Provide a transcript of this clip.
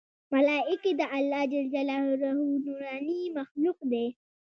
ملایکې د الله ج یو نورانې مخلوق دی